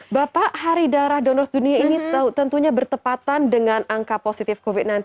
bapak hari darah donor dunia ini tentunya bertepatan dengan angka positif covid sembilan belas